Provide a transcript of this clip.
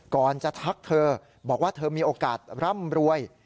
ก่อนจะทักเธอบอกว่าเธอมีโอกาสร่ำรวย